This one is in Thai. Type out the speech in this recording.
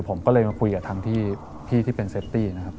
ผมก็เลยมาคุยกับทางพี่ที่เป็นเซฟตี้นะครับ